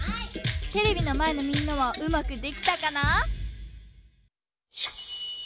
テレビのまえのみんなはうまくできたかな？